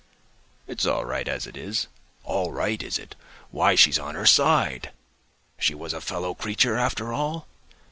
'It's all right as it is.' 'All right, is it? Why, she's on her side! She was a fellow creature, after all!